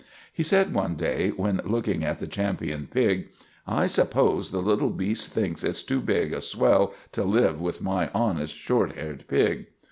He said one day, when looking at the champion pig, "I suppose the little beast thinks it's too big a swell to live with my honest, short haired pig.